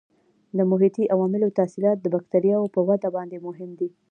د محیطي عواملو تاثیرات د بکټریاوو په وده باندې مهم دي.